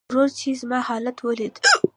ورور چې زما حالت وليده .